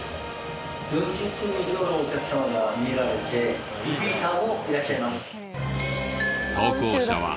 ４０組以上のお客様がみえられてリピーターもいらっしゃいます。